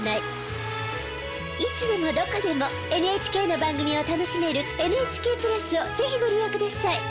いつでもどこでもＮＨＫの番組を楽しめるＮＨＫプラスを是非ご利用ください。